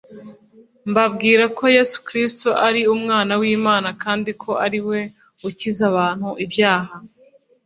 mbabwira ko Yesu Kristo ari umwana w’Imana kandi ko ari we ukiza abantu ibyaha